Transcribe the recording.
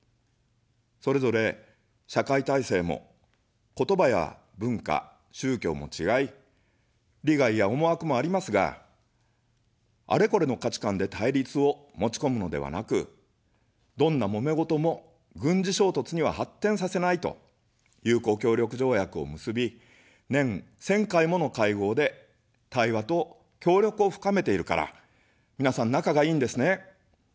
それぞれ社会体制も、言葉や文化、宗教も違い、利害や思惑もありますが、あれこれの価値観で対立を持ちこむのではなく、どんなもめごとも軍事衝突には発展させないと友好協力条約を結び、年１０００回もの会合で対話と協力を深めているから、みなさん仲がいいんですね。